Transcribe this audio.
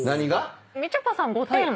みちょぱさん５点？